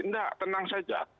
tidak tenang saja